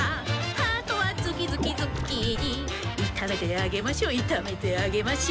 「ハートはズキズキズッキーニ」「いためてあげましょいためてあげましょ」